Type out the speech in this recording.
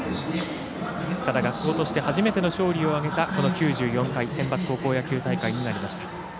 ただ、学校として初めての勝利を挙げた９４回センバツ高校野球大会になりました。